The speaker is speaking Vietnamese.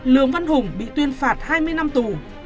lường văn hùng bị tuyên phạt hai mươi năm tù